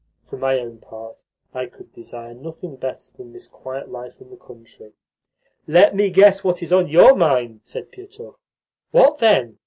For my own part, I could desire nothing better than this quiet life in the country." "Let me guess what is in your mind," said Pietukh. "What, then?"